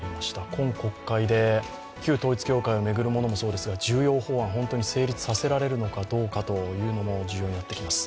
今国会で旧統一教会を巡るものもそうですが、重要法案、本当に成立させられるのかどうかというのも重要になってきます。